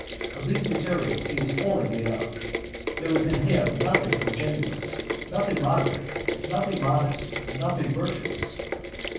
Of these materials he is wholly made up. There is in him nothing ingenuous, nothing moderate, nothing modest, nothing virtuous.